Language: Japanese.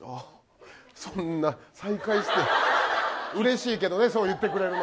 そんな再会してうれしいけどね。